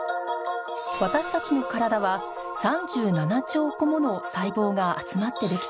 私たちの体は３７兆個もの細胞が集まってできています